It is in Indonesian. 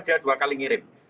dia dua kali ngirim